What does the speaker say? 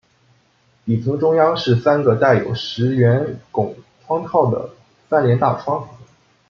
底层中央是三个带有石圆拱窗套的三联大窗。